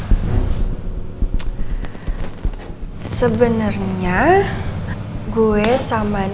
sebenernya gue serius sebenernya gue pengen kasih tau lo sesuatu tentang